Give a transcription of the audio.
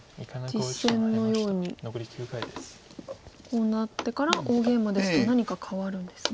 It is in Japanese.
実戦のようにこうなってから大ゲイマですが何か変わるんですか。